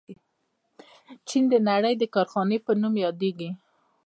چین د نړۍ د کارخانې په نوم یادیږي.